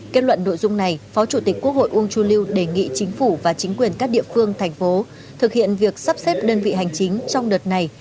kết luận nội dung này phó chủ tịch quốc hội uông chu lưu đề nghị chính phủ và chính quyền các địa phương thành phố thực hiện việc sắp xếp đơn vị hành chính trong đợt này